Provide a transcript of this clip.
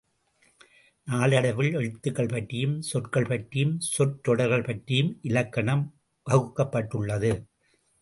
நாளடைவில், எழுத்துகள் பற்றியும் சொற்கள் பற்றியும் சொற்றொடர்கள் பற்றியும் இலக்கணம் வகுக்கப்பட்டுள்ளது.